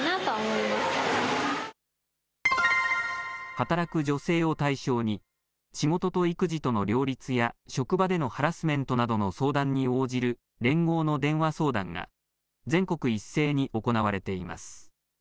働く女性を対象に、仕事と育児の両立や、職場でのハラスメントなどの相談に応じる、連合の電話相談が全国一斉に行われています。